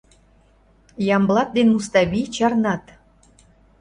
Ямблат ден Муставий чарнат.